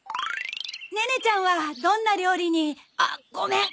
ネネちゃんはどんな料理にあっごめん。